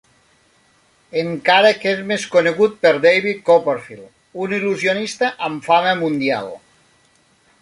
Encara que és més conegut per David Copperfield, un il·lusionista amb fama mundial.